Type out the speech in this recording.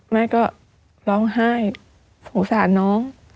แม่ก็ร้องไห้สงสารน้อง